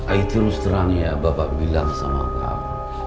ayah terus terang ya bapak bilang sama aku